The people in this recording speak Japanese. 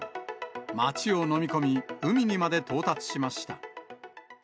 町を飲み込み、海にまで到達しました。